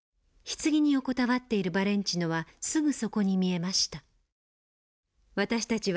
柩に横たわっているバレンチノはすぐそこに見えました。